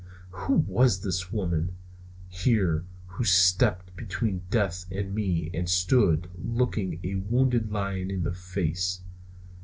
Who was this woman here who stepped between death and me and stood looking a wounded lion in the face?